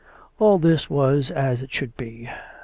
All this was as it should be.